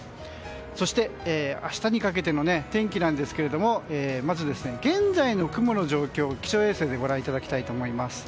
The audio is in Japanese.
そして明日にかけての天気ですがまず、現在の雲の状況を気象衛星でご覧いただきたいと思います。